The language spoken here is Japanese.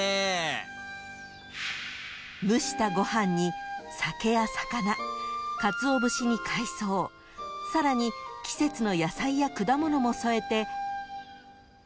［蒸したご飯に酒や魚かつお節に海藻さらに季節の野菜や果物も添えて］